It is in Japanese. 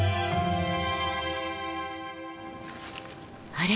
あれ？